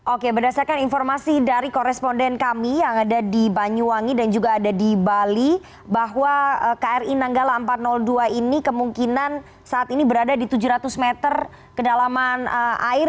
oke berdasarkan informasi dari koresponden kami yang ada di banyuwangi dan juga ada di bali bahwa kri nanggala empat ratus dua ini kemungkinan saat ini berada di tujuh ratus meter kedalaman air